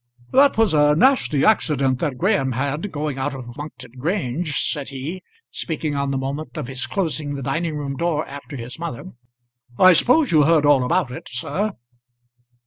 "That was a nasty accident that Graham had going out of Monkton Grange," said he, speaking on the moment of his closing the dining room door after his mother. "I suppose you heard all about it, sir?"